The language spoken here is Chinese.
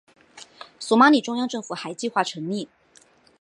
索马里中央政府还计划成立。